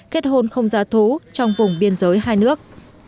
kết hôn không giá thú trong vùng biên giới hai nước